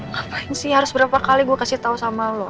ngapain sih harus berapa kali gue kasih tau sama lo